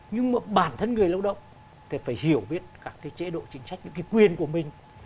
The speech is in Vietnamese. nhưng mà bản thân người lao động thì phải hiểu biết các cái chế độ chính sách những cái quyền của mình